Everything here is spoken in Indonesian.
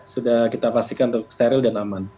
sudah kita pastikan untuk steril dan aman